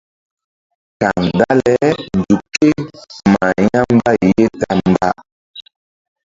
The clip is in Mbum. Kaŋ dale nzuk ké mah ya̧ mbay ye ta mba.